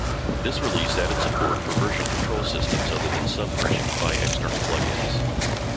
This release added support for version control systems other than Subversion by external plugins.